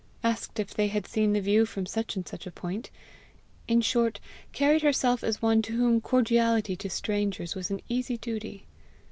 asked if they had seen the view from such and such a point; in short, carried herself as one to whom cordiality to strangers was an easy duty.